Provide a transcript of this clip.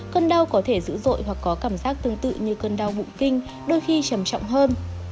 cơn đau có thể dữ dội hoặc có cảm giác tương tự như cơn đau bụng kinh đôi khi trầm trọng hơn